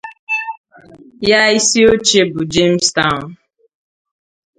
Ya ịsị óche bụ Jamestown.